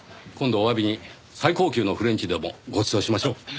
今度お詫びに最高級のフレンチでもごちそうしましょう。